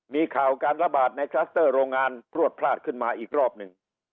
มีข่าวการระบาดในคลัสเตอร์โรงงานพลวดพลาดขึ้นมาอีกรอบหนึ่ง